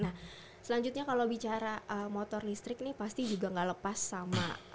nah selanjutnya kalau bicara motor listrik ini pasti juga nggak lepas sama